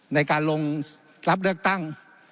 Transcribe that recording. ในการลงรับเลือกตั้ง